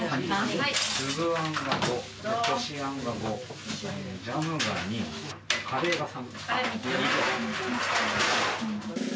粒あんが５、こしあんが５、ジャムが２、カレーが３。